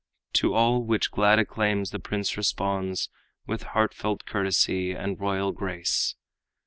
To all which glad acclaims the prince responds With heartfelt courtesy and royal grace.